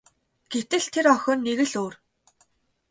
Гэтэл тэр охин нэг л өөр.